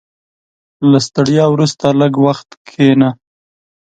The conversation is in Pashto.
• له ستړیا وروسته، لږ وخت کښېنه.